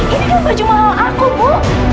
ini kan baju malam aku bu